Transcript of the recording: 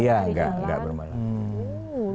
iya gak bermalam